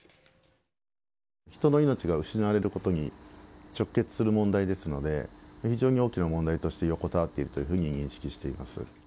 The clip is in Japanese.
人の命が失われることに直結する問題ですので、非常に大きな問題として横たわっているというふうに認識しております。